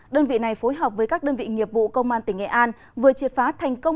đơn vị này phối hợp với các đơn vị nghiệp vụ công an tỉnh nghệ an vừa triệt phá thành công